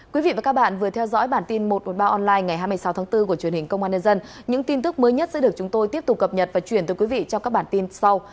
quý vị và các bạn vừa theo dõi bản tin một trăm một mươi ba online ngày hai mươi sáu tháng bốn của truyền hình công an nhân dân những tin tức mới nhất sẽ được chúng tôi tiếp tục cập nhật và chuyển tới quý vị trong các bản tin sau